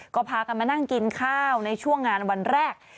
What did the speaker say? ก็พากันมานั่งกินข้าวในช่วงงานวันแรก